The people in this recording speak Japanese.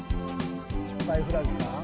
失敗フラグか。